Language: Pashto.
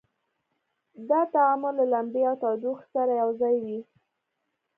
دا تعامل له لمبې او تودوخې سره یو ځای وي.